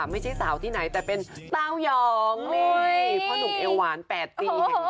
ไม่ใช่สาวที่ไหนแต่เป็นเต้ายองนี่เพราะหนุ่มเอวหวานแปดตี